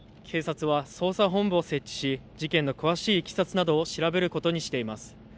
警察は捜査本部を設置し、事件の詳しいいきさつなどを調べることにしています。